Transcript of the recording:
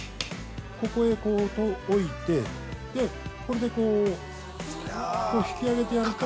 ◆ここへこう置いてこれで、こう引き上げてやると。